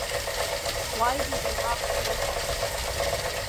Why Do They Rock So Hard?